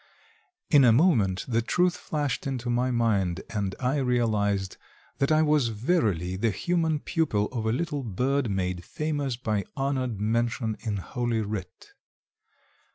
In a moment the truth flashed into my mind and I realized that I was verily the human pupil of a little bird made famous by honored mention in Holy Writ.